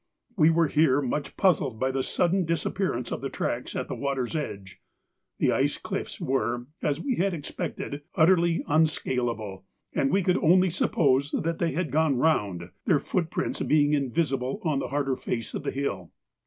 We were here much puzzled by the sudden disappearance of the tracks at the water's edge. The ice cliffs were, as we had expected, utterly unscaleable, and we could only suppose that they had gone round, their footprints being invisible on the harder face of the hill.